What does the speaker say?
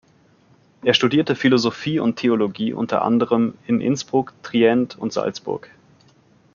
Er studierte Philosophie und Theologie, unter anderem in Innsbruck, Trient und Salzburg.